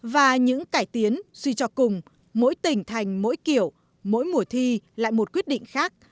và những cải tiến suy cho cùng mỗi tỉnh thành mỗi kiểu mỗi mùa thi lại một quyết định khác